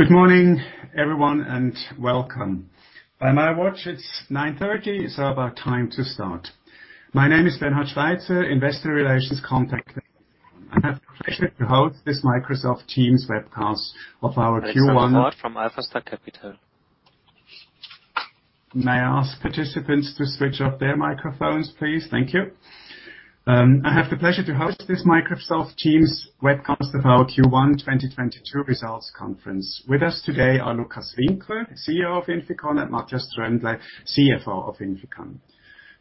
Good morning, everyone, and welcome. By my watch, it's 9:30 A.M. It's about time to start. My name is Bernhard Schweizer, Investor Relations Contact. I have the pleasure to host this Microsoft Teams webcast of our Q1- From Alphastar Capital. May I ask participants to switch off their microphones, please? Thank you. I have the pleasure to host this Microsoft Teams webcast of our Q1 2022 results conference. With us today are Lukas Winkler, CEO of INFICON, and Matthias Tröndle, CFO of INFICON.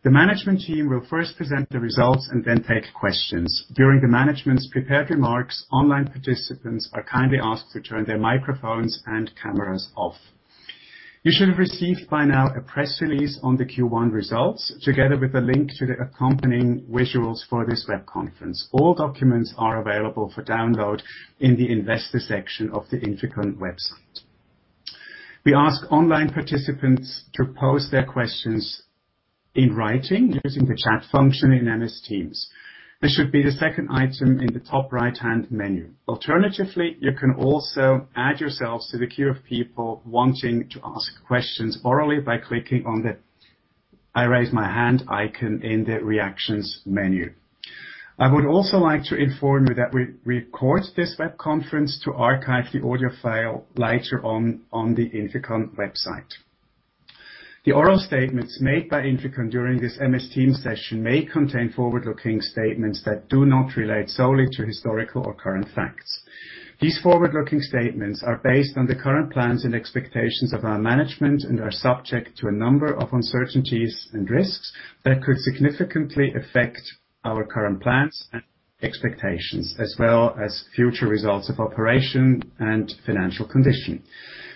The management team will first present the results and then take questions. During the management's prepared remarks, online participants are kindly asked to turn their microphones and cameras off. You should have received by now a press release on the Q1 results, together with a link to the accompanying visuals for this web conference. All documents are available for download in the investor section of the INFICON website. We ask online participants to pose their questions in writing using the chat function in MS Teams. This should be the second item in the top right-hand menu. Alternatively, you can also add yourselves to the queue of people wanting to ask questions orally by clicking on the I Raise My Hand icon in the Reactions menu. I would also like to inform you that we record this web conference to archive the audio file later on the INFICON website. The oral statements made by INFICON during this MS Teams session may contain forward-looking statements that do not relate solely to historical or current facts. These forward-looking statements are based on the current plans and expectations of our management and are subject to a number of uncertainties and risks that could significantly affect our current plans and expectations, as well as future results of operation and financial condition.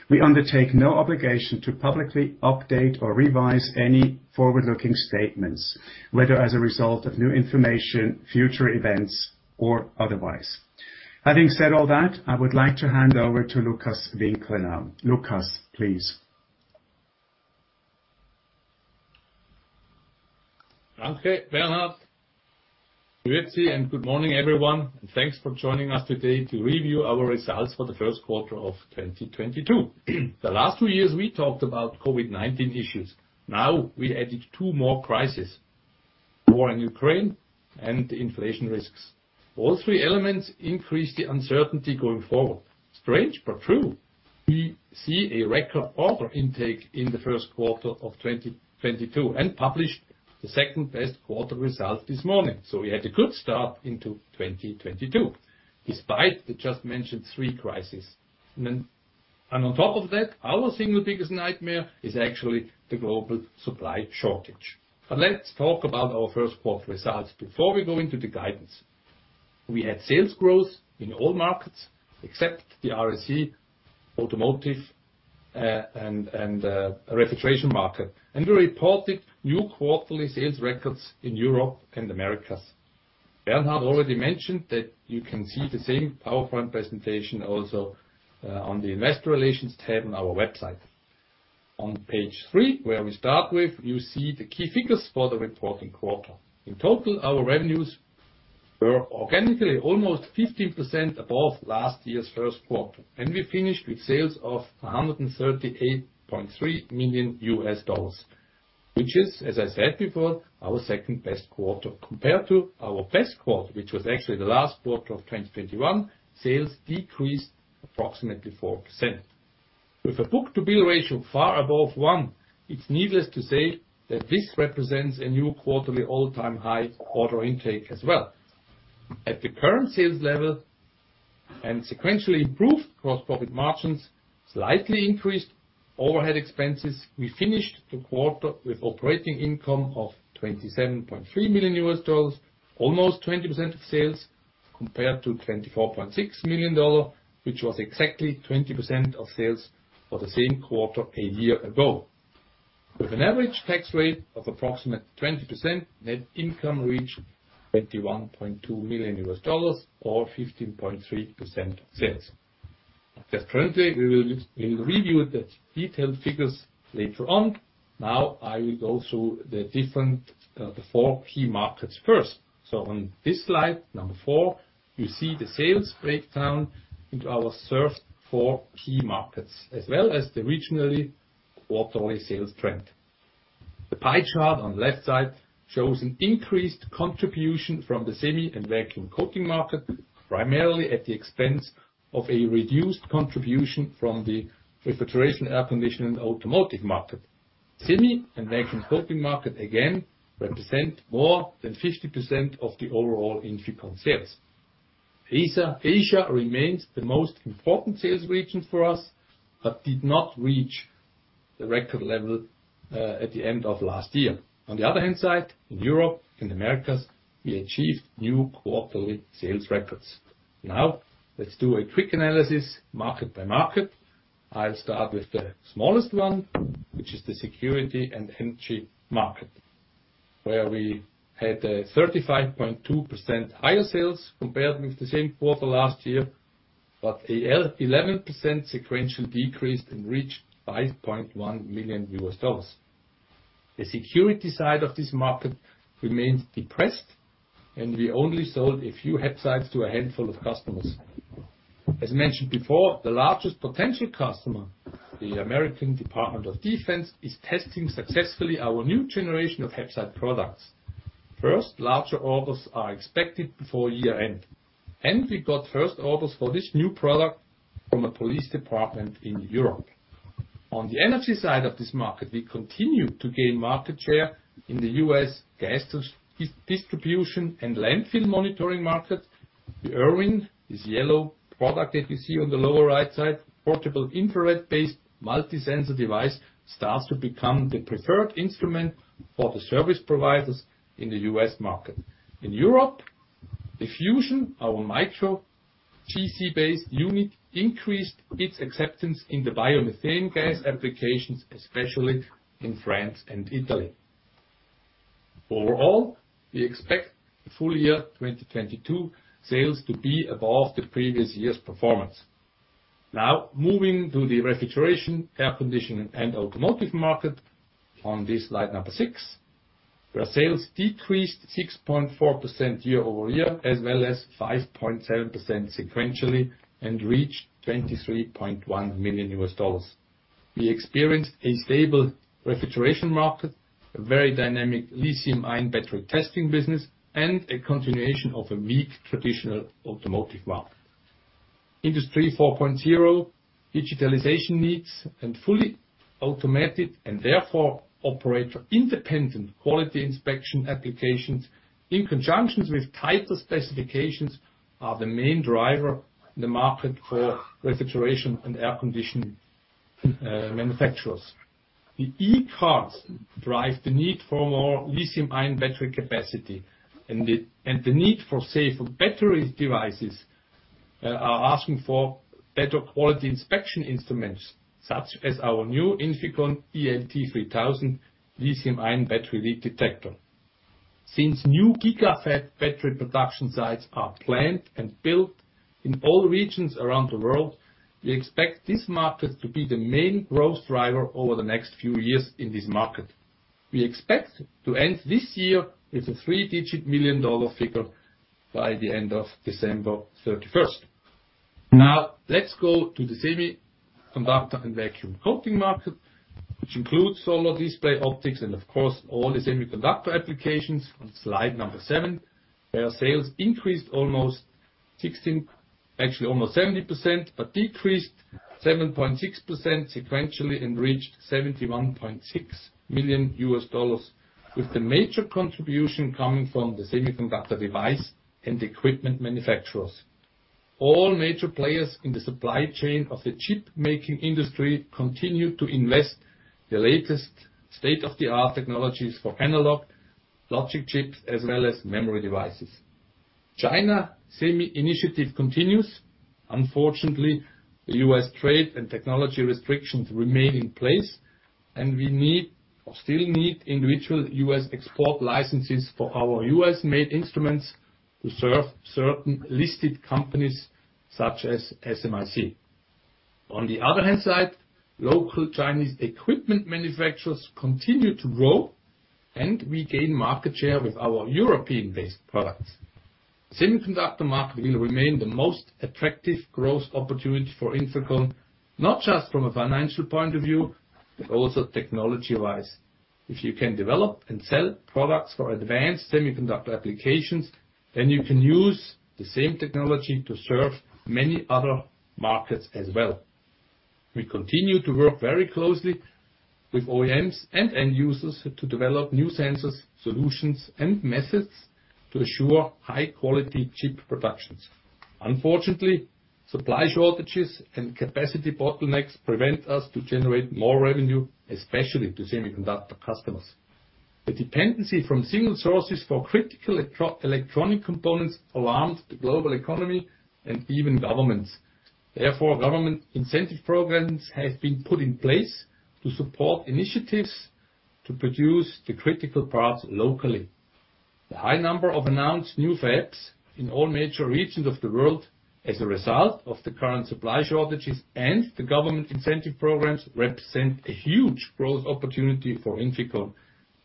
We undertake no obligation to publicly update or revise any forward-looking statements, whether as a result of new information, future events or otherwise. Having said all that, I would like to hand over to Lukas Winkler now. Lukas, please. Okay, Bernhard. Grüezi and good morning, everyone. Thanks for joining us today to review our results for the first quarter of 2022. The last two years, we talked about COVID-19 issues. Now we added two more crises: war in Ukraine and inflation risks. All three elements increase the uncertainty going forward. Strange but true, we see a record order intake in the first quarter of 2022 and published the second best quarter result this morning. We had a good start into 2022, despite the just mentioned three crises. On top of that, our single biggest nightmare is actually the global supply shortage. Let's talk about our first quarter results before we go into the guidance. We had sales growth in all markets except the RAC, automotive, and refrigeration market. We reported new quarterly sales records in Europe and Americas. Bernhard already mentioned that you can see the same PowerPoint presentation also on the investor relations tab on our website. On page three, where we start with, you see the key figures for the reporting quarter. In total, our revenues were organically almost 15% above last year's first quarter, and we finished with sales of $138.3 million, which is, as I said before, our second-best quarter. Compared to our best quarter, which was actually the last quarter of 2021, sales decreased approximately 4%. With a Book-to-Bill ratio far above one, it's needless to say that this represents a new quarterly all-time high order intake as well. At the current sales level and sequentially improved gross profit margins, slightly increased overhead expenses, we finished the quarter with operating income of $27.3 million, almost 20% of sales, compared to $24.6 million, which was exactly 20% of sales for the same quarter a year ago. With an average tax rate of approximately 20%, net income reached $21.2 million or 15.3% sales. Currently we will review the detailed figures later on. Now I will go through the different, the four key markets first. On this slide, number four, you see the sales breakdown into our served four key markets, as well as the regionally quarterly sales trend. The pie chart on left side shows an increased contribution from the Semi & Vacuum Coating market, primarily at the expense of a reduced contribution from the refrigeration, air conditioning, and automotive market. Semi & Vacuum Coating market, again, represent more than 50% of the overall INFICON sales. Asia remains the most important sales region for us, but did not reach the record level at the end of last year. On the other hand side, in Europe and Americas, we achieved new quarterly sales records. Now let's do a quick analysis market by market. I'll start with the smallest one, which is the security and energy market, where we had 35.2% higher sales compared with the same quarter last year, but an 11% sequential decrease and reached $5.1 million. The security side of this market remains depressed and we only sold a few HAPSITEs to a handful of customers. As mentioned before, the largest potential customer, the U.S. Department of Defense, is testing successfully our new generation of HAPSITE products. First, larger orders are expected before year-end, and we got first orders for this new product from a police department in Europe. On the energy side of this market, we continue to gain market share in the U.S. gas distribution and landfill monitoring market. The IRwin, this yellow product that you see on the lower right side, portable infrared-based multi-sensor device, starts to become the preferred instrument for the service providers in the U.S. market. In Europe, the Fusion, our Micro GC-based unit, increased its acceptance in the biomethane gas applications, especially in France and Italy. Overall, we expect the full year 2022 sales to be above the previous year's performance. Now moving to the refrigeration, air conditioning, and automotive market on this slide number six, where sales decreased 6.4% year-over-year as well as 5.7% sequentially and reached $23.1 million. We experienced a stable refrigeration market, a very dynamic lithium-ion battery testing business, and a continuation of a weak traditional automotive market. Industry 4.0 digitalization needs and fully automated and therefore operator-independent quality inspection applications in conjunction with tighter specifications are the main driver in the market for refrigeration and air conditioning manufacturers. The E-cars drive the need for more lithium-ion battery capacity and the need for safer battery devices are asking for better quality inspection instruments, such as our new INFICON ELT3000 lithium-ion battery leak detector. Since new gigafactory production sites are planned and built in all regions around the world, we expect this market to be the main growth driver over the next few years in this market. We expect to end this year with a three-digit million-dollar figure by the end of December 31st. Now let's go to the semiconductor and vacuum coating market, which includes solar display, optics, and of course, all the semiconductor applications on slide number seven, where sales increased almost 70%, but decreased 7.6% sequentially and reached $71.6 million, with the major contribution coming from the semiconductor device and equipment manufacturers. All major players in the supply chain of the chip-making industry continue to invest in the latest state-of-the-art technologies for analog logic chips as well as memory devices. China Semi initiative continues. Unfortunately, the U.S. trade and technology restrictions remain in place, and we need individual U.S. export licenses for our U.S.-made instruments to serve certain listed companies such as SMIC. On the other hand side, local Chinese equipment manufacturers continue to grow, and we gain market share with our European-based products. Semiconductor market will remain the most attractive growth opportunity for INFICON, not just from a financial point of view, but also technology-wise. If you can develop and sell products for advanced semiconductor applications, then you can use the same technology to serve many other markets as well. We continue to work very closely with OEMs and end users to develop new sensors, solutions, and methods to ensure high-quality chip productions. Unfortunately, supply shortages and capacity bottlenecks prevent us to generate more revenue, especially to semiconductor customers. The dependency from single sources for critical electronic components alarms the global economy and even governments. Therefore, government incentive programs have been put in place to support initiatives to produce the critical parts locally. The high number of announced new fabs in all major regions of the world as a result of the current supply shortages and the government incentive programs represent a huge growth opportunity for INFICON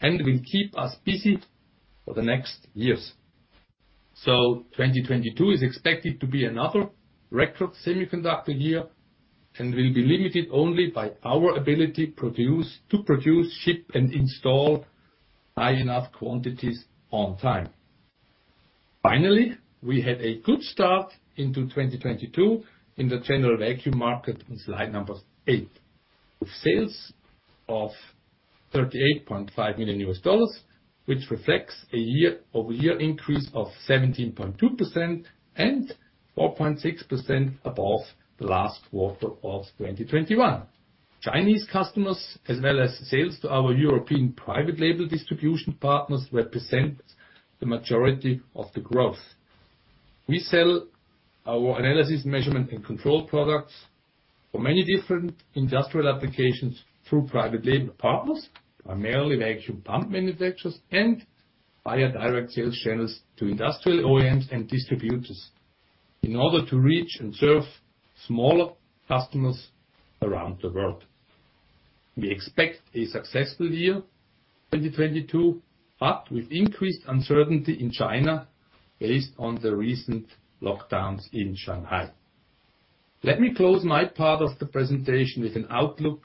and will keep us busy for the next years. 2022 is expected to be another record semiconductor year and will be limited only by our ability to produce, ship, and install high enough quantities on time. Finally, we had a good start into 2022 in the general vacuum market in slide eight. Sales of $38.5 million, which reflects a year-over-year increase of 17.2% and 4.6% above the last quarter of 2021. Chinese customers, as well as sales to our European private label distribution partners, represent the majority of the growth. We sell our analysis, measurement, and control products for many different industrial applications through private label partners, primarily vacuum pump manufacturers, and via direct sales channels to industrial OEMs and distributors in order to reach and serve smaller customers around the world. We expect a successful year 2022, but with increased uncertainty in China based on the recent lockdowns in Shanghai. Let me close my part of the presentation with an outlook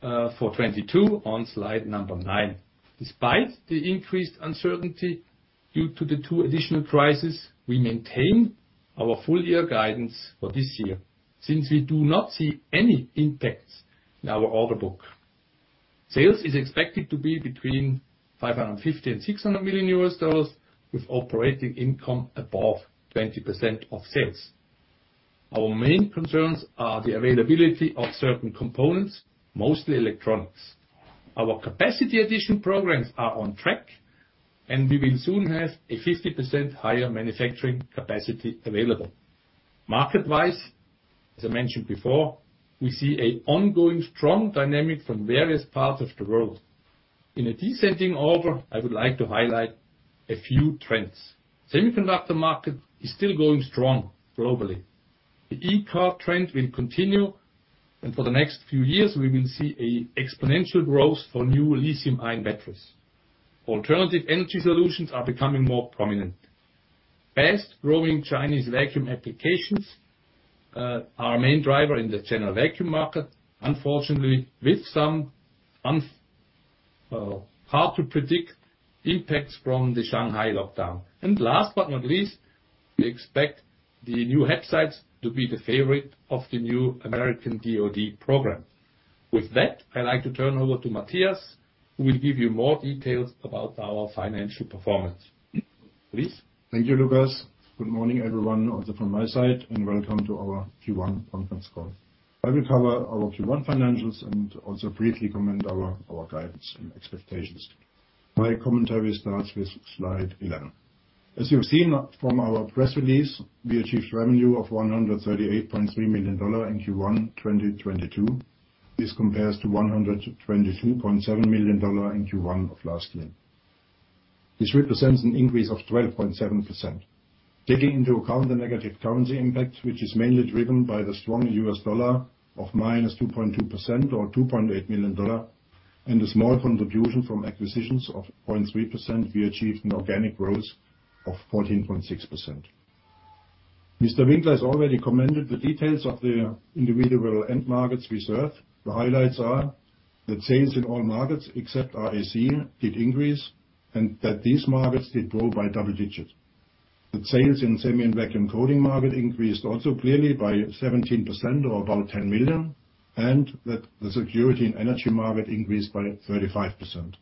for 2022 on slide number nine. Despite the increased uncertainty due to the two additional crises, we maintain our full year guidance for this year since we do not see any impacts in our order book. Sales is expected to be between $550 million and $600 million, with operating income above 20% of sales. Our main concerns are the availability of certain components, mostly electronics. Our capacity addition programs are on track, and we will soon have 50% higher manufacturing capacity available. Market-wise, as I mentioned before, we see an ongoing strong dynamic from various parts of the world. In descending order, I would like to highlight a few trends. Semiconductor market is still going strong globally. The e-car trend will continue, and for the next few years, we will see an exponential growth for new lithium-ion batteries. Alternative energy solutions are becoming more prominent. Fast-growing Chinese vacuum applications are a main driver in the general vacuum market, unfortunately with some hard to predict impacts from the Shanghai lockdown. Last but not least, we expect the new HAPSITEs to be the favorite of the new American DoD program. With that, I'd like to turn over to Matthias, who will give you more details about our financial performance. Please. Thank you, Lukas. Good morning, everyone, also from my side, and welcome to our Q1 conference call. I will cover our Q1 financials and also briefly comment on our guidance and expectations. My commentary starts with slide 11. As you have seen from our press release, we achieved revenue of $138.3 million in Q1 2022. This compares to $122.7 million in Q1 of last year. This represents an increase of 12.7%. Taking into account the negative currency impact, which is mainly driven by the strong U.S. dollar of -2.2% or $2.8 million and a small contribution from acquisitions of 0.3%, we achieved an organic growth of 14.6%. Mr. Winkler has already commented on the details of the individual end markets we serve. The highlights are that sales in all markets except RAC did increase, and that these markets did grow by double digits. The sales in Semi & Vacuum Coating market increased also clearly by 17% or about $10 million, and that the security and energy market increased by 35%.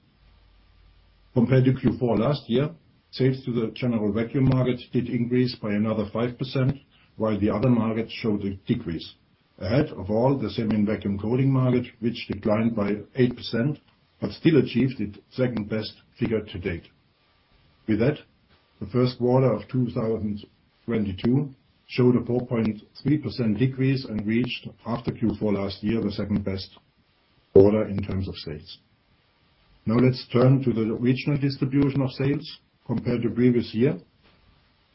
Compared to Q4 last year, sales to the general vacuum market did increase by another 5%, while the other markets showed a decrease. Ahead of all, the Semi & Vacuum Coating market, which declined by 8% but still achieved its second-best figure to date. With that, the first quarter of 2022 showed a 4.3% decrease and reached after Q4 last year, the second best quarter in terms of sales. Now let's turn to the regional distribution of sales compared to previous year.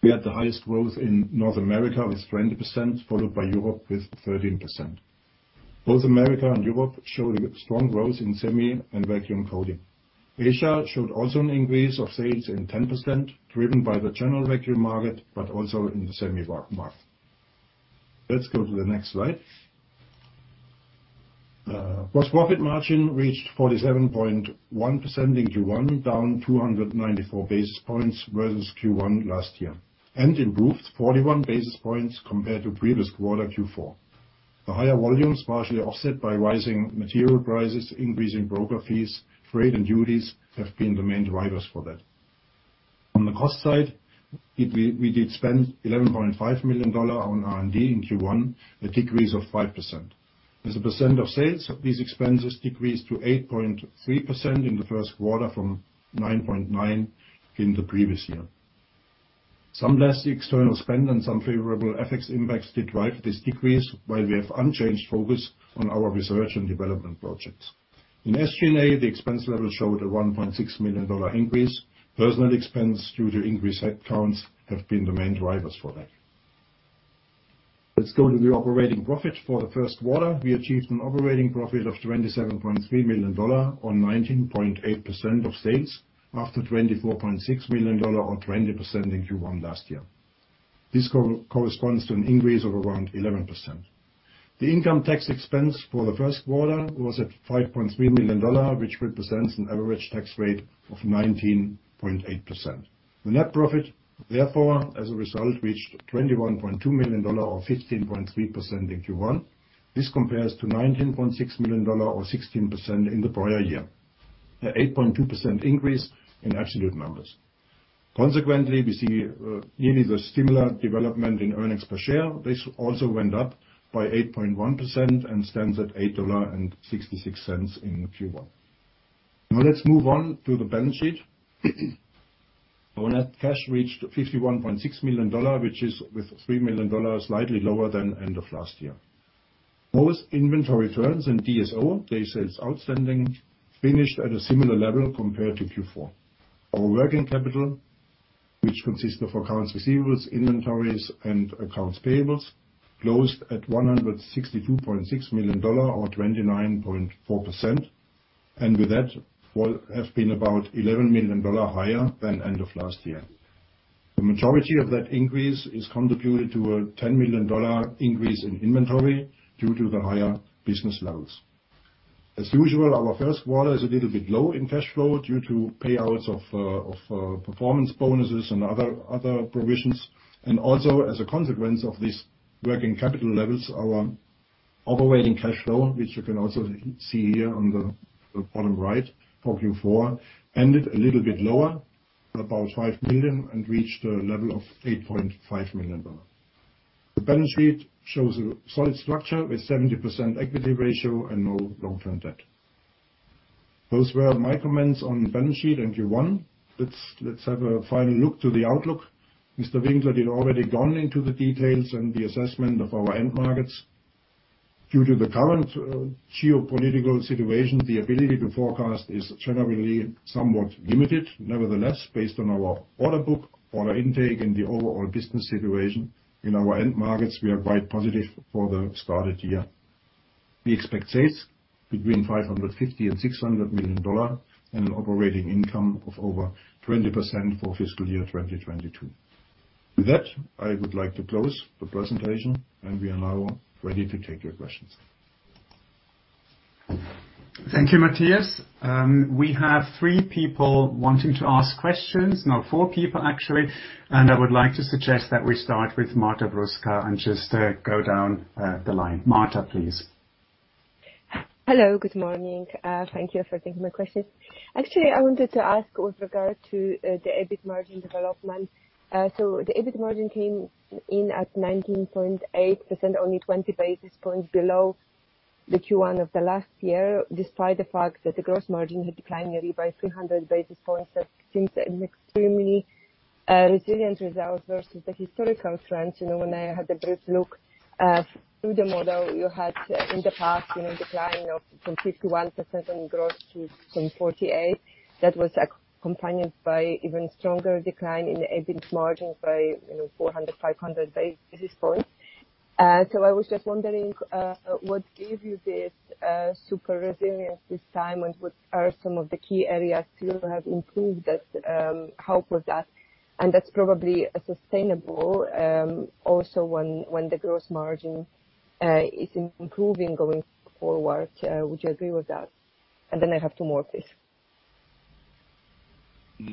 We had the highest growth in North America with 20%, followed by Europe with 13%. Both America and Europe showed a strong growth in Semi & Vacuum Coating. Asia showed also an increase of sales in 10%, driven by the general vacuum market, but also in the semi vac market. Let's go to the next slide. Gross profit margin reached 47.1% in Q1, down 294 basis points versus Q1 last year, and improved 41 basis points compared to previous quarter Q4. The higher volumes partially offset by rising material prices, increasing broker fees, freight and duties have been the main drivers for that. On the cost side, we did spend $11.5 million on R&D in Q1, a decrease of 5%. As a percent of sales, these expenses decreased to 8.3% in the first quarter from 9.9% in the previous year. Some less external spend and some favorable FX impacts did drive this decrease while we have unchanged focus on our research and development projects. In SG&A, the expense level showed a $1.6 million increase. Personnel expense due to increased headcounts have been the main drivers for that. Let's go to the operating profit. For the first quarter, we achieved an operating profit of $27.3 million on 19.8% of sales after $24.6 million on 20% in Q1 last year. This corresponds to an increase of around 11%. The income tax expense for the first quarter was at $5.3 million, which represents an average tax rate of 19.8%. The net profit therefore, as a result, reached $21.2 million or 15.3% in Q1. This compares to $19.6 million or 16% in the prior year, an 8.2% increase in absolute numbers. Consequently, we see nearly the similar development in earnings per share. This also went up by 8.1% and stands at $8.66 in Q1. Now let's move on to the balance sheet. Our net cash reached $51.6 million, which is with $3 million slightly lower than end of last year. Both inventory turns and DSO, days sales outstanding, finished at a similar level compared to Q4. Our working capital, which consists of accounts receivable, inventories, and accounts payable, closed at $162.6 million or 29.4%, and with that, would have been about $11 million higher than end of last year. The majority of that increase is attributed to a $10 million increase in inventory due to the higher business levels. As usual, our first quarter is a little bit low in cash flow due to payouts of performance bonuses and other provisions, and also as a consequence of these working capital levels, our operating cash flow, which you can also see here on the bottom right of Q4, ended a little bit lower at about $5 million and reached a level of $8.5 million. The balance sheet shows a solid structure with 70% equity ratio and no long-term debt. Those were my comments on the balance sheet in Q1. Let's have a final look to the outlook. Mr. Winkler had already gone into the details and the assessment of our end markets. Due to the current geopolitical situation, the ability to forecast is generally somewhat limited. Nevertheless, based on our order book, order intake, and the overall business situation in our end markets, we are quite positive for the started year. We expect sales between $550 million and $600 million and an operating income of over 20% for fiscal year 2022. With that, I would like to close the presentation and we are now ready to take your questions. Thank you, Matthias. We have three people wanting to ask questions. No, four people actually. I would like to suggest that we start with Marta Bruska and just go down the line. Marta, please. Hello, good morning. Thank you for taking my questions. Actually, I wanted to ask with regard to the EBIT margin development. So the EBIT margin came in at 19.8%, only 20 basis points below the Q1 of the last year, despite the fact that the gross margin had declined yearly by 300 basis points. That seems an extremely resilient result versus the historical trends. You know, when I had a brief look through the model you had in the past, you know, decline of from 51% on gross to from 48%. That was accompanied by even stronger decline in the EBIT margins by, you know, 400, 500 basis points. I was just wondering, what gave you this super resilience this time, and what are some of the key areas you have improved that helped with that? That's probably sustainable, also when the gross margin is improving going forward. Would you agree with that? I have two more, please.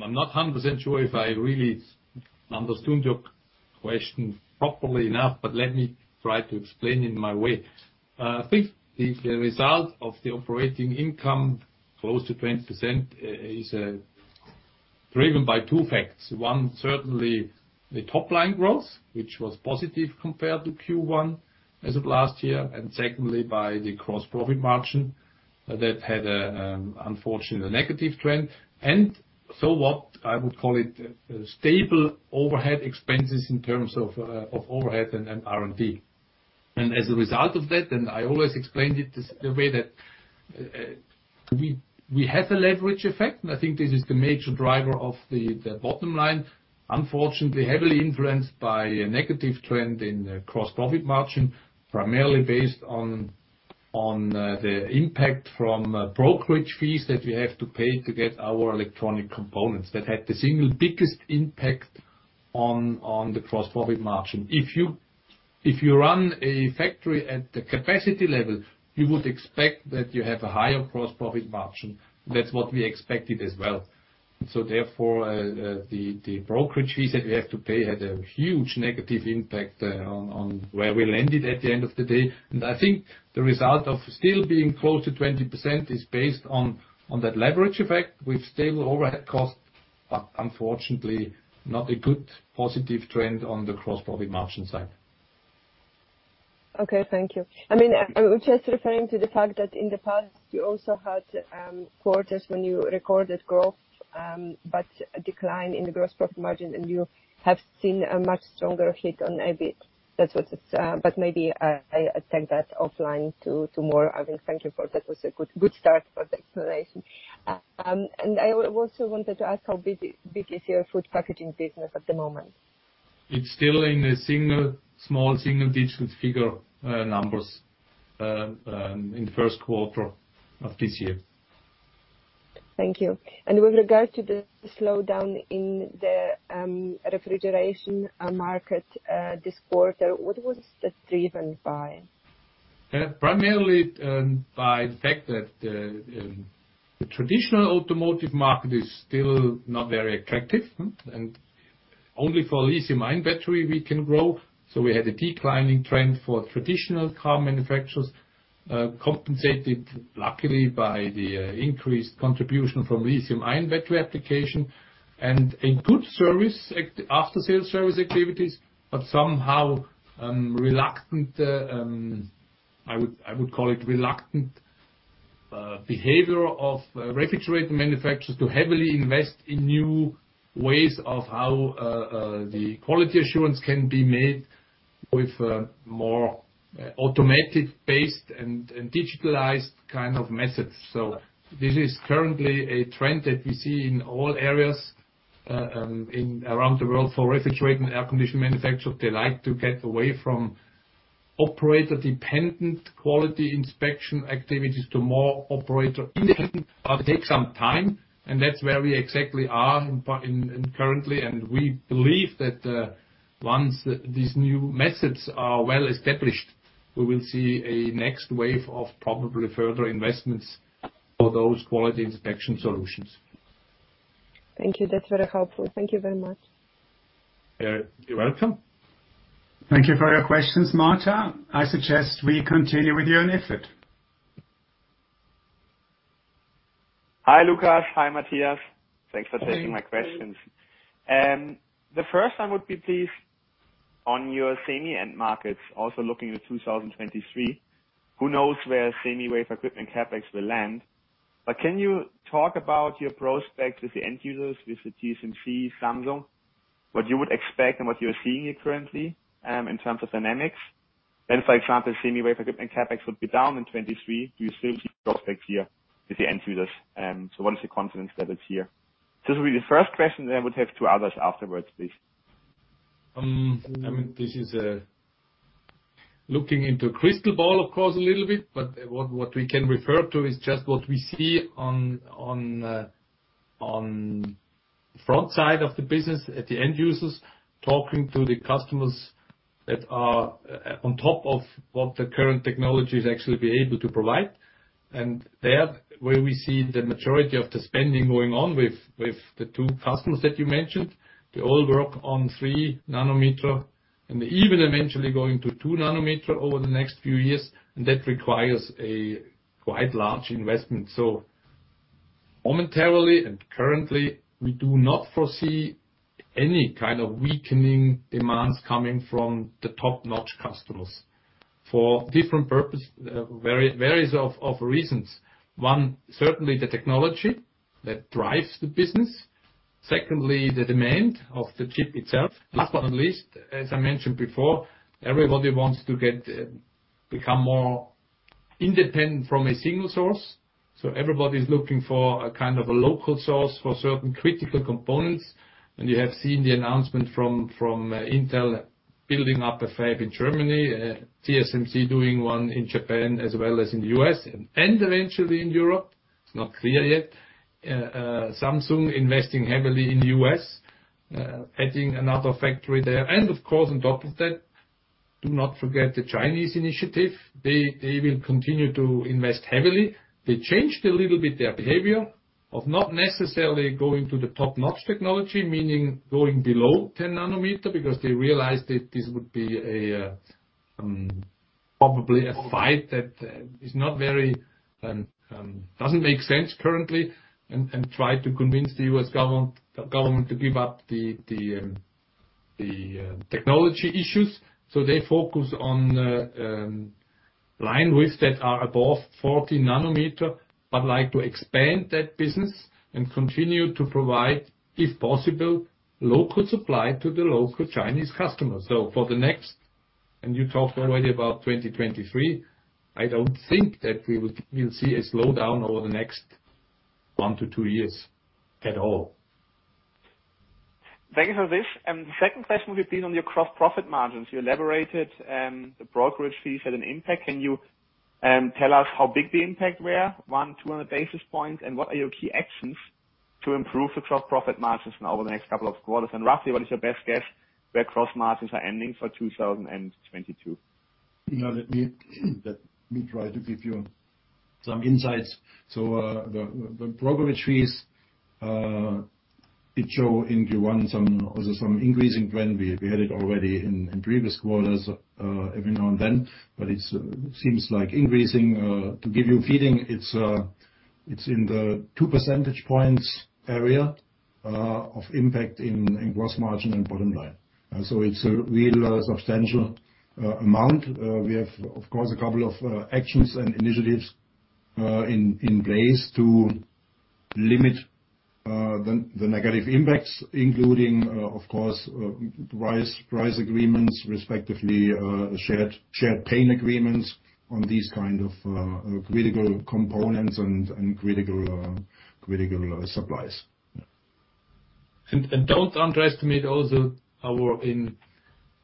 I'm not 100% sure if I really understood your question properly enough, but let me try to explain in my way. I think the result of the operating income close to 20% is driven by two facts. One, certainly the top line growth, which was positive compared to Q1 as of last year, and secondly, by the gross profit margin that had a unfortunately negative trend. What I would call it, stable overhead expenses in terms of overhead and R&D. As a result of that, and I always explained it the way that we have a leverage effect, and I think this is the major driver of the bottom line. Unfortunately, heavily influenced by a negative trend in gross profit margin, primarily based on the impact from brokerage fees that we have to pay to get our electronic components. That had the single biggest impact on the gross profit margin. If you run a factory at the capacity level, you would expect that you have a higher gross profit margin. That's what we expected as well. Therefore, the brokerage fees that we have to pay had a huge negative impact on where we landed at the end of the day. I think the result of still being close to 20% is based on that leverage effect with stable overhead costs, but unfortunately, not a good positive trend on the gross profit margin side. Okay, thank you. I mean, I was just referring to the fact that in the past you also had quarters when you recorded growth, but a decline in the gross profit margin and you have seen a much stronger hit on EBIT. That was it. Maybe I take that offline to more. I think thank you for that. That was a good start for the explanation. I also wanted to ask how big is your food packaging business at the moment? It's still in a small single-digit figure, numbers, in the first quarter of this year. Thank you. With regard to the slowdown in the refrigeration market this quarter, what was that driven by? Primarily by the fact that the traditional automotive market is still not very attractive. Only for lithium-ion battery we can grow. We had a declining trend for traditional car manufacturers, compensated luckily by the increased contribution from lithium-ion battery application and a good after sales service activities, somehow reluctant, I would call it reluctant behavior of refrigeration manufacturers to heavily invest in new ways of how the quality assurance can be made with more automation-based and digitalized kind of methods. This is currently a trend that we see in all areas around the world for refrigeration and air conditioning manufacturers. They like to get away from operator-dependent quality inspection activities to more operator independent, but take some time, and that's where we exactly are currently. We believe that, once these new methods are well established, we will see a next wave of probably further investments for those quality inspection solutions. Thank you. That's very helpful. Thank you very much. You're welcome. Thank you for your questions, Marta. I suggest we continue with Joern Iffert. Hi, Lukas. Hi, Matthias. Thanks for taking my questions. The first one would be please on your semi end markets, also looking at 2023. Who knows where semi wafer equipment CapEx will land? Can you talk about your prospects with the end users, with the TSMC, Samsung, what you would expect and what you're seeing currently, in terms of dynamics? If, for example, semi wafer equipment CapEx would be down in 2023, do you still see prospects here with the end users? What is the confidence level here? This will be the first question, then I would have two others afterwards, please. I mean, this is looking into a crystal ball, of course, a little bit. What we can refer to is just what we see on the front end of the business at the end users, talking to the customers that are on top of what the current technologies actually are able to provide. There, where we see the majority of the spending going on with the two customers that you mentioned, they all work on 3 nm, and even eventually going to 2 nm over the next few years. That requires a quite large investment. Momentarily and currently, we do not foresee any kind of weakening demands coming from the top-notch customers for various reasons. One, certainly the technology that drives the business. Secondly, the demand of the chip itself. Last but not least, as I mentioned before, everybody wants to become more independent from a single source. Everybody's looking for a kind of a local source for certain critical components. You have seen the announcement from Intel building up a fab in Germany, TSMC doing one in Japan as well as in the U.S., and eventually in Europe. It's not clear yet. Samsung investing heavily in the U.S., adding another factory there. Of course, on top of that, do not forget the Chinese initiative. They will continue to invest heavily. They changed a little bit their behavior of not necessarily going to the top-notch technology, meaning going below 10nm because they realized that this would be probably a fight that doesn't make sense currently and try to convince the U.S. government to give up the technology issues. They focus on line widths that are above 40 nm, but like to expand that business and continue to provide, if possible, local supply to the local Chinese customers. For the next, and you talked already about 2023, I don't think that we'll see a slowdown over the next one to two years at all. Thank you for this. The second question would be on your gross profit margins. You elaborated, the brokerage fees had an impact. Can you tell us how big the impact were, 100-200 basis points, and what are your key actions to improve the gross profit margins over the next couple of quarters? Roughly, what is your best guess where gross margins are ending for 2022? Now let me try to give you some insights. The brokerage fees did show in Q1 some increasing trend. We had it already in previous quarters every now and then, but it seems like it's increasing. To give you a feeling, it's in the 2 percentage points area of impact in gross margin and bottom line. So it's a real substantial amount. We have, of course, a couple of actions and initiatives in place to limit the negative impacts, including, of course, price agreements, respectively, shared pain agreements on these kind of critical components and critical supplies. Don't underestimate also our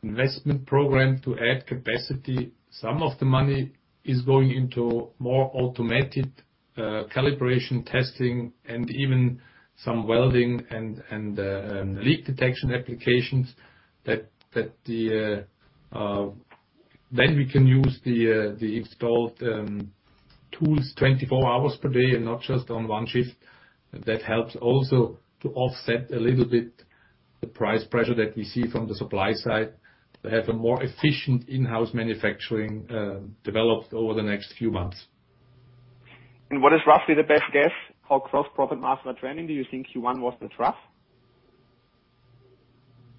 investment program to add capacity. Some of the money is going into more automated calibration testing and even some welding and leak detection applications. We can use the installed tools 24 hours per day and not just on one shift. That helps also to offset a little bit the price pressure that we see from the supply side, to have a more efficient in-house manufacturing developed over the next few months. What is roughly the best guess how gross profit margin are trending? Do you think Q1 was the trough?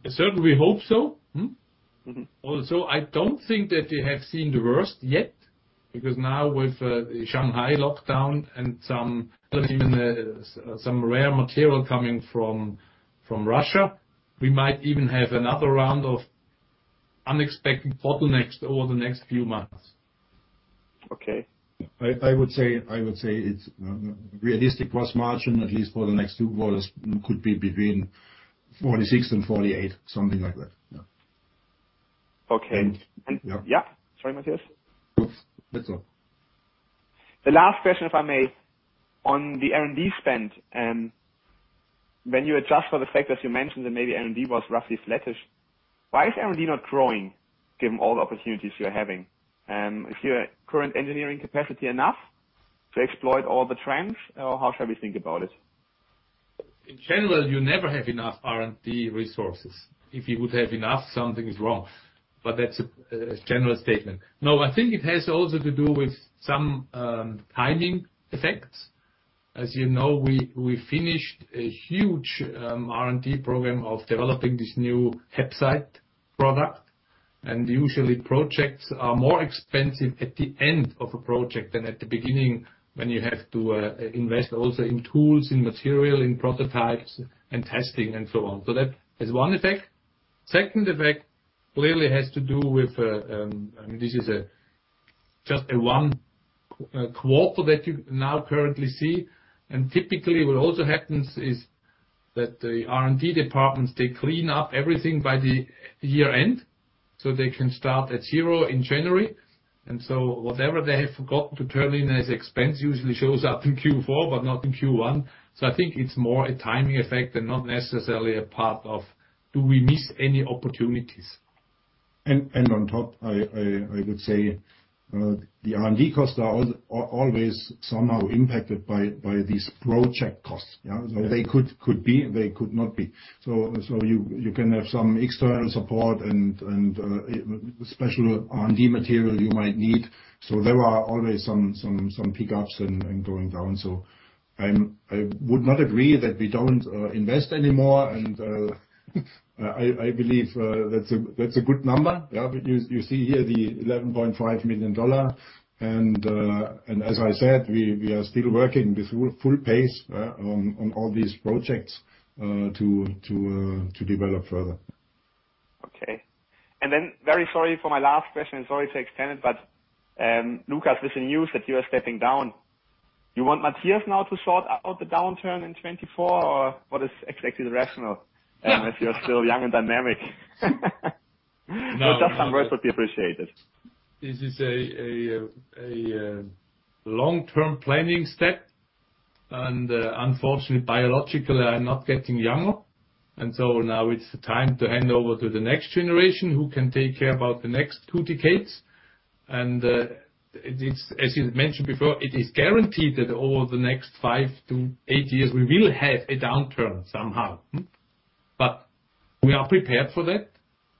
Certainly we hope so. Mm-hmm. Also, I don't think that they have seen the worst yet, because now with Shanghai lockdown and some rare material coming from Russia, we might even have another round of unexpected bottlenecks over the next few months. Okay. I would say it's realistic gross margin, at least for the next two quarters could be between 46% and 48%, something like that. Yeah. Okay. And- And- Yeah. Yeah. Sorry, Matthias. That's all. The last question, if I may. On the R&D spend, when you adjust for the fact that you mentioned that maybe R&D was roughly flattish, why is R&D not growing given all the opportunities you're having? Is your current engineering capacity enough to exploit all the trends, or how shall we think about it? In general, you never have enough R&D resources. If you would have enough, something is wrong. But that's a general statement. No, I think it has also to do with some timing effects. As you know, we finished a huge R&D program of developing this new HAPSITE product, and usually projects are more expensive at the end of a project than at the beginning when you have to invest also in tools, in material, in prototypes and testing and so on. That is one effect. Second effect clearly has to do with I mean, this is just one quarter that you now currently see. Typically what also happens is that the R&D departments, they clean up everything by the year-end, so they can start at zero in January. Whatever they have forgotten to turn in as expense usually shows up in Q4, but not in Q1. I think it's more a timing effect and not necessarily a part of do we miss any opportunities? On top, I would say the R&D costs are always somehow impacted by these project costs. You know? Yes. They could be, they could not be. You can have some external support and special R&D material you might need. There are always some pickups and going down. I would not agree that we don't invest anymore. I believe that's a good number. Yeah. You see here the $11.5 million and as I said, we are still working with full pace on all these projects to develop further. Okay. Very sorry for my last question, and sorry to extend it, but, Lukas, with the news that you are stepping down, you want Matthias now to sort out the downturn in 2024, or what is exactly the rationale? If you are still young and dynamic. No. Just some words would be appreciated. This is a long-term planning step and unfortunately biologically I'm not getting younger, and now it's the time to hand over to the next generation who can take care about the next two decades. It's as you mentioned before, it is guaranteed that over the next five to eight years we will have a downturn somehow. We are prepared for that,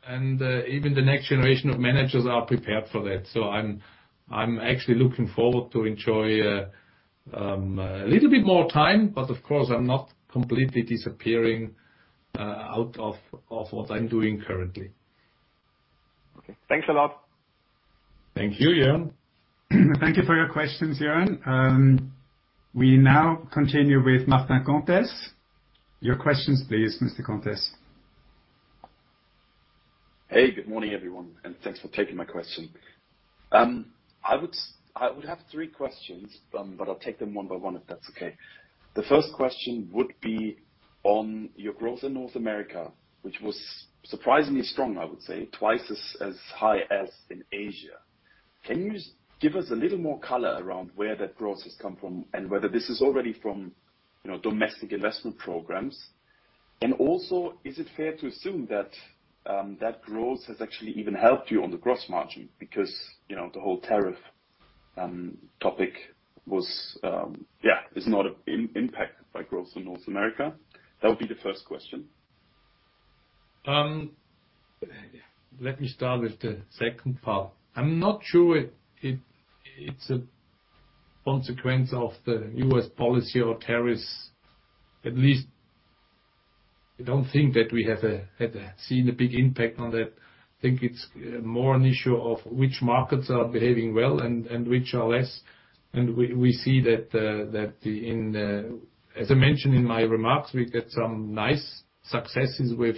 and even the next generation of managers are prepared for that. I'm actually looking forward to enjoy a little bit more time, but of course, I'm not completely disappearing out of what I'm doing currently. Okay. Thanks a lot. Thank you, Joern. Thank you for your questions, Joern. We now continue with Martin Comtesse. Your questions please, Mr. Comtesse. Hey, good morning, everyone, and thanks for taking my question. I would have three questions, but I'll take them one by one if that's okay. The first question would be on your growth in North America, which was surprisingly strong, I would say, twice as high as in Asia. Can you give us a little more color around where that growth has come from and whether this is already from, you know, domestic investment programs? Also, is it fair to assume that that growth has actually even helped you on the gross margin because, you know, the whole tariff topic was, yeah, is not impacted by growth in North America? That would be the first question. Let me start with the second part. I'm not sure it's a consequence of the U.S. policy or tariffs. At least I don't think that we have seen a big impact on that. I think it's more an issue of which markets are behaving well and which are less. We see that, as I mentioned in my remarks, we get some nice successes with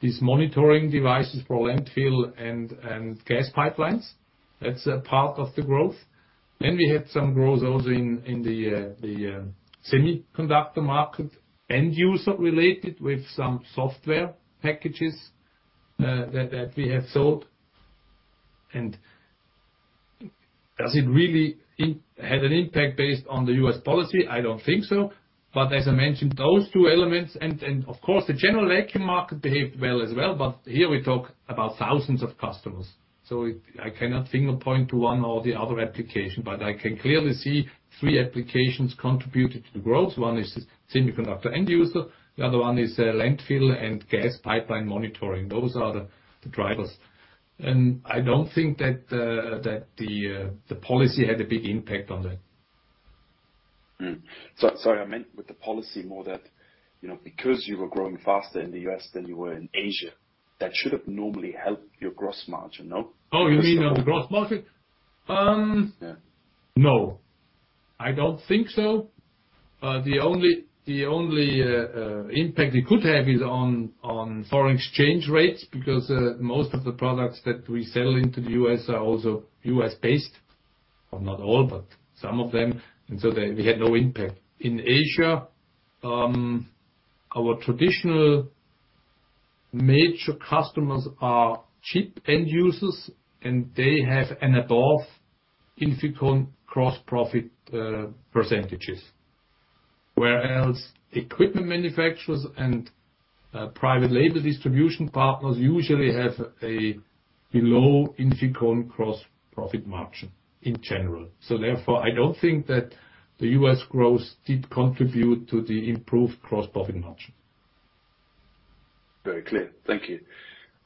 these monitoring devices for landfill and gas pipelines. That's a part of the growth. We had some growth also in the semiconductor market, end user related with some software packages that we have sold. Does it really have an impact based on the U.S. policy? I don't think so. As I mentioned, those two elements and, of course, the general vacuum market behaved well as well, but here we talk about thousands of customers, so I cannot single out one or the other application, but I can clearly see three applications contributed to growth. One is semiconductor end user, the other one is landfill and gas pipeline monitoring. Those are the drivers. I don't think that the policy had a big impact on that. Sorry, I meant with the policy more that, you know, because you were growing faster in the U.S. than you were in Asia, that should have normally helped your gross margin, no? Oh, you mean on the gross margin? Yeah. No. I don't think so. The only impact it could have is on foreign exchange rates, because most of the products that we sell into the U.S. are also U.S.-based. Well, not all, but some of them. We had no impact. In Asia, our traditional major customers are chip end users, and they have above INFICON gross profit percentages. Whereas equipment manufacturers and private label distribution partners usually have a below INFICON gross profit margin in general. Therefore, I don't think that the U.S. growth did contribute to the improved gross profit margin. Very clear. Thank you.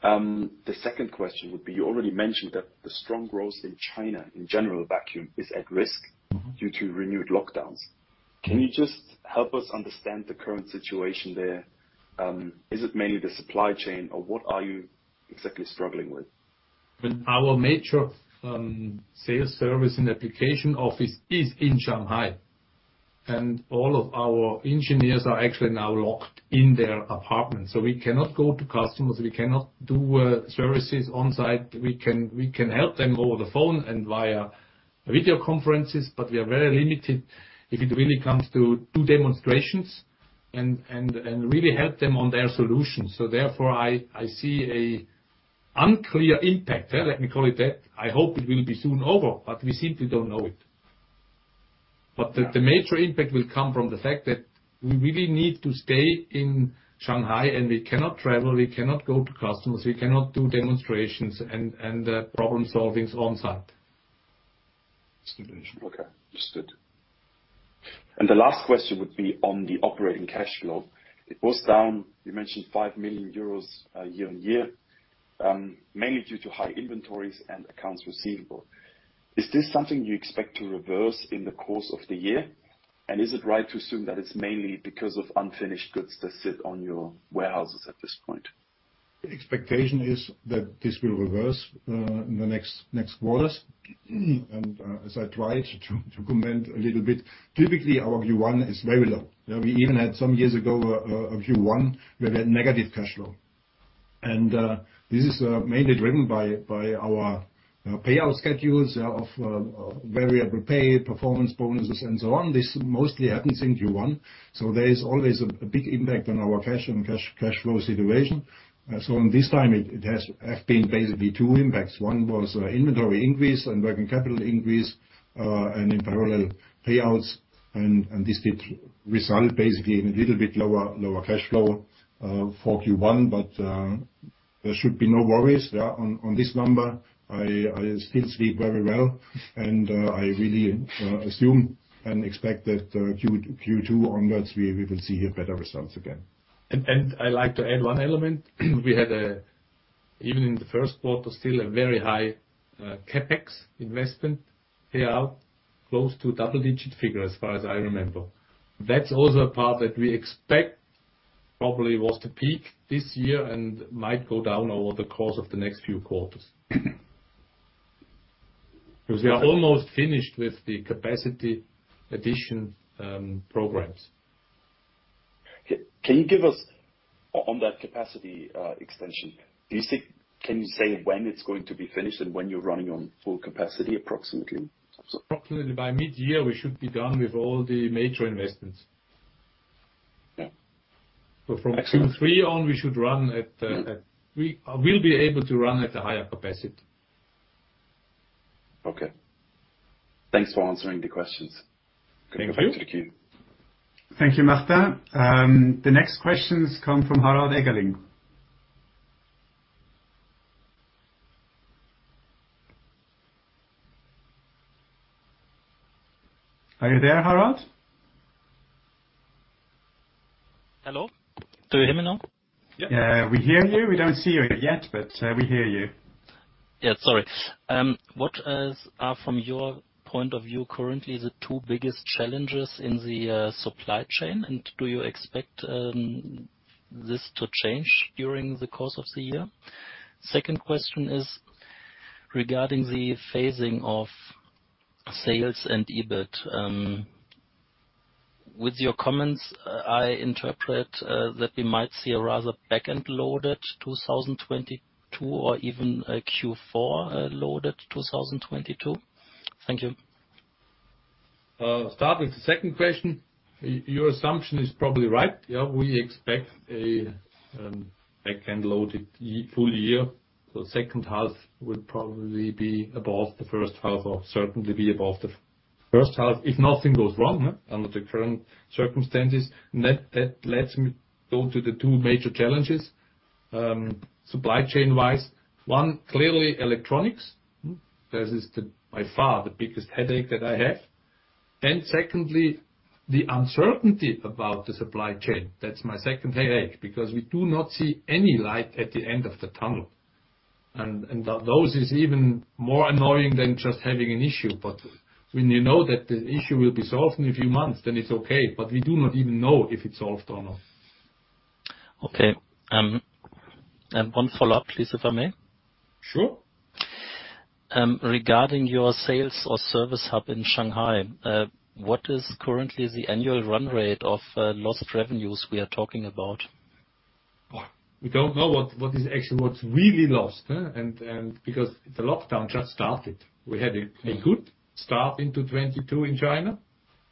The second question would be, you already mentioned that the strong growth in China in general vacuum is at risk. Mm-hmm. due to renewed lockdowns. Mm-hmm. Can you just help us understand the current situation there? Is it mainly the supply chain or what are you exactly struggling with? Well, our major sales service and application office is in Shanghai, and all of our engineers are actually now locked in their apartments. We cannot go to customers, we cannot do services on site. We can help them over the phone and via video conferences, but we are very limited if it really comes to do demonstrations and really help them on their solutions. Therefore I see an unclear impact. Yeah, let me call it that. I hope it will be soon over, but we simply don't know it. The major impact will come from the fact that we really need to stay in Shanghai and we cannot travel, we cannot go to customers, we cannot do demonstrations and problem solving on site. Okay. Understood. The last question would be on the operating cash flow. It was down, you mentioned 5 million euros, year-on-year, mainly due to high inventories and accounts receivable. Is this something you expect to reverse in the course of the year? Is it right to assume that it's mainly because of unfinished goods that sit on your warehouses at this point? Expectation is that this will reverse in the next quarters. As I tried to comment a little bit, typically our Q1 is very low. We even had some years ago a Q1 where we had negative cash flow. This is mainly driven by our you know payout schedules of variable pay, performance bonuses and so on. This mostly happens in Q1. There is always a big impact on our cash and cash flow situation. In this time it has been basically two impacts. One was inventory increase and working capital increase and in parallel payouts. This did result basically in a little bit lower cash flow for Q1. There should be no worries on this number. I still sleep very well. I really assume and expect that Q2 onwards we will see here better results again. I'd like to add one element. We had even in the first quarter still a very high CapEx investment payout close to double-digit figure as far as I remember. That's also a part that we expect probably was to peak this year and might go down over the course of the next few quarters. Because we are almost finished with the capacity addition programs. On that capacity extension, can you say when it's going to be finished and when you're running on full capacity approximately? Approximately by mid-year, we should be done with all the major investments. Okay. Excellent. From Q3 on, we will be able to run at a higher capacity. Okay. Thanks for answering the questions. Thank you. Thank you. Thank you, Martin. The next questions come from Harald Eggeling. Are you there, Harald? Hello? Do you hear me now? Yeah. We hear you. We don't see you yet, but we hear you. What is, from your point of view currently, the two biggest challenges in the supply chain? Do you expect this to change during the course of the year? Second question is regarding the phasing of sales and EBIT. With your comments, I interpret that we might see a rather back-end loaded 2022 or even a Q4 loaded 2022. Thank you. Start with the second question. Your assumption is probably right. Yeah, we expect a back-end loaded full year. Second half will probably be above the first half or certainly be above the first half if nothing goes wrong, under the current circumstances. Let me go to the two major challenges. Supply chain-wise, one, clearly electronics. This is by far the biggest headache that I have. Secondly, the uncertainty about the supply chain. That's my second headache, because we do not see any light at the end of the tunnel and that this is even more annoying than just having an issue. When you know that the issue will be solved in a few months, then it's okay, but we do not even know if it's solved or not. Okay. One follow-up please, if I may. Sure. Regarding your sales or service hub in Shanghai, what is currently the annual run rate of lost revenues we are talking about? We don't know what is actually what's really lost because the lockdown just started. We had a good start into 2022 in China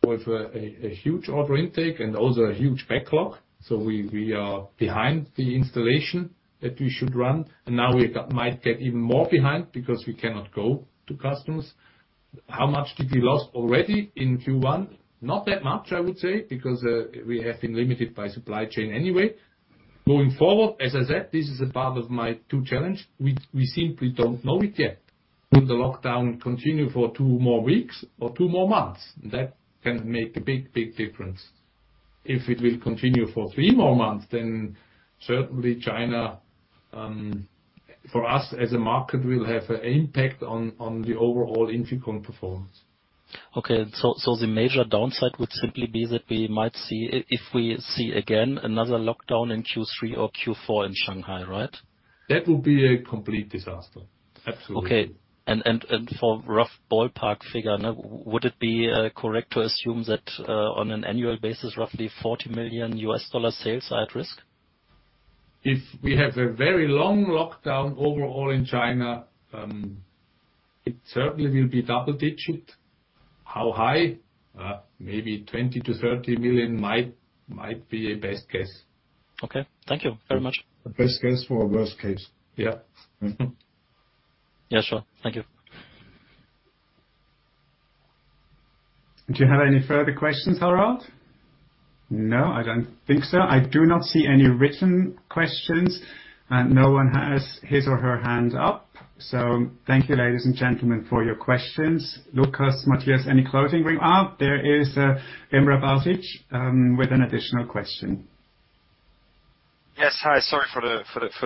with a huge order intake and also a huge backlog. We are behind the installation that we should run, and now we might get even more behind because we cannot go to customers. How much did we lose already in Q1? Not that much, I would say, because we have been limited by supply chain anyway. Going forward, as I said, this is a part of my two challenge. We simply don't know it yet. Will the lockdown continue for two more weeks or two more months? That can make a big difference. If it will continue for three more months, then certainly China, for us as a market, will have an impact on the overall INFICON performance. The major downside would simply be that if we see again another lockdown in Q3 or Q4 in Shanghai, right? That would be a complete disaster. Absolutely. For a rough ballpark figure, would it be correct to assume that on an annual basis, roughly $40 million sales are at risk? If we have a very long lockdown overall in China, it certainly will be double-digit. How high? Maybe $20 million-$30 million might be a best case. Okay. Thank you very much. A best case for a worst case. Yeah. Yeah, sure. Thank you. Do you have any further questions, Harald? No, I don't think so. I do not see any written questions, and no one has his or her hand up. Thank you, ladies, and gentlemen, for your questions. Lukas, Matthias, there is Emrah Basic with an additional question. Yes. Hi, sorry for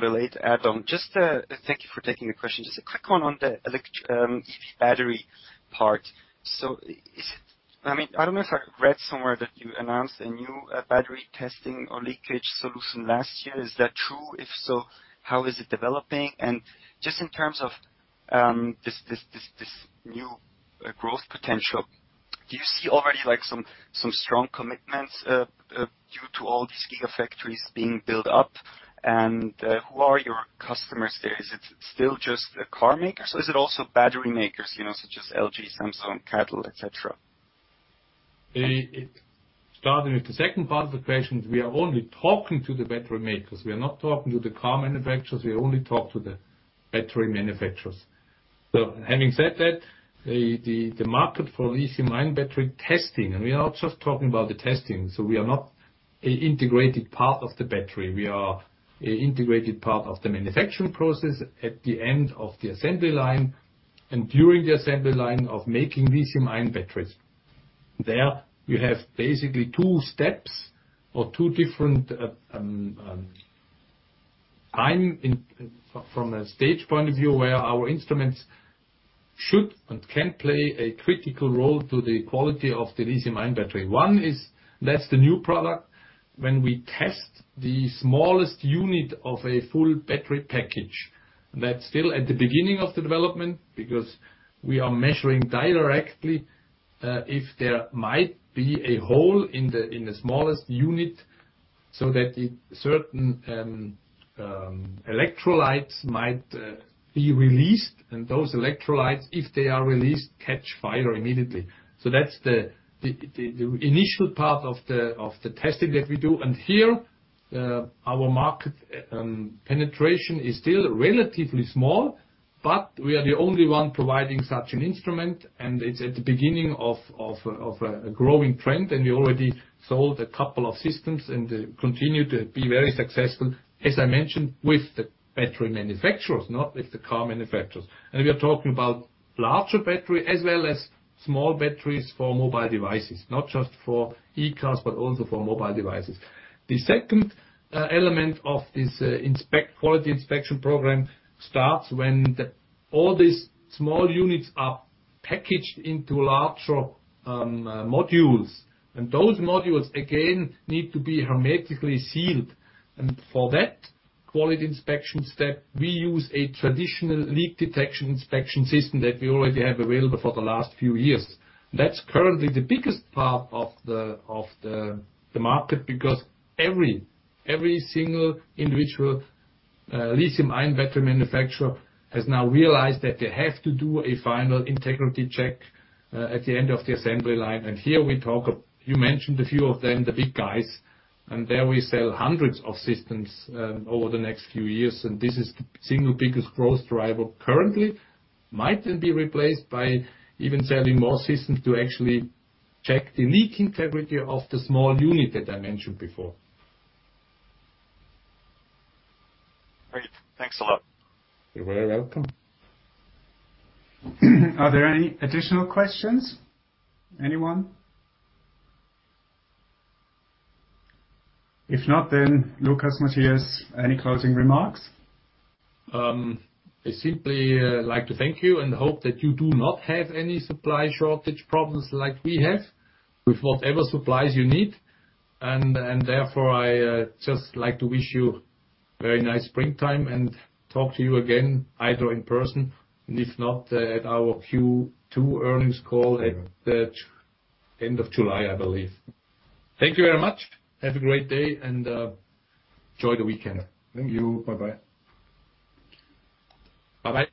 the late add on. Just thank you for taking the question. Just a quick one on the EV battery part. So is it I mean, I don't know if I read somewhere that you announced a new battery testing or leakage solution last year. Is that true? If so, how is it developing? And just in terms of this new growth potential, do you see already like some strong commitments due to all these gigafactories being built up? And who are your customers there? Is it still just the car makers or is it also battery makers, you know, such as LG, Samsung, CATL, et cetera? Starting with the second part of the question, we are only talking to the battery makers. We are not talking to the car manufacturers. We only talk to the battery manufacturers. Having said that, the market for lithium-ion battery testing, and we are not just talking about the testing, so we are not an integrated part of the battery. We are an integrated part of the manufacturing process at the end of the assembly line and during the assembly line of making lithium-ion batteries. There we have basically two steps or two different from a stage point of view, where our instruments should and can play a critical role to the quality of the lithium-ion battery. One is, that's the new product when we test the smallest unit of a full battery package. That's still at the beginning of the development because we are measuring directly if there might be a hole in the smallest unit, so that certain electrolytes might be released, and those electrolytes, if they are released, catch fire immediately. That's the initial part of the testing that we do. Here our market penetration is still relatively small, but we are the only one providing such an instrument, and it's at the beginning of a growing trend, and we already sold a couple of systems and continue to be very successful, as I mentioned, with the battery manufacturers, not with the car manufacturers. We are talking about larger battery as well as small batteries for mobile devices, not just for e-cars, but also for mobile devices. The second element of this quality inspection program starts when all these small units are packaged into larger modules. Those modules, again, need to be hermetically sealed. For that quality inspection step, we use a traditional leak detection inspection system that we already have available for the last few years. That's currently the biggest part of the market because every single individual lithium-ion battery manufacturer has now realized that they have to do a final integrity check at the end of the assembly line. Here we talk. You mentioned a few of them, the big guys, and there we sell hundreds of systems over the next few years, and this is the single biggest growth driver currently. Might then be replaced by even selling more systems to actually check the leak integrity of the small unit that I mentioned before. Great. Thanks a lot. You're very welcome. Are there any additional questions? Anyone? If not, then Lukas, Matthias, any closing remarks? I simply like to thank you and hope that you do not have any supply shortage problems like we have with whatever supplies you need. Therefore, I just like to wish you very nice springtime and talk to you again either in person and if not, at our Q2 earnings call at the end of July, I believe. Thank you very much. Have a great day, and enjoy the weekend. Thank you. Bye-bye. Bye-bye.